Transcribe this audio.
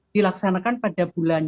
dilaksanakan pada bulan